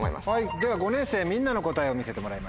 では５年生みんなの答えを見せてもらいましょう。